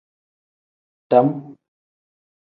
Dam.